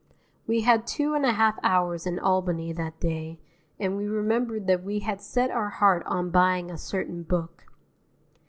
We had two and a half hours in Albany that day and we remember that we had set our heart on buying a certain book.